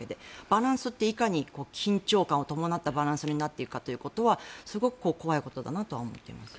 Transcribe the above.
バランスっていかに緊張感を伴ったバランスになっているかということはすごく怖いことだなと思っています。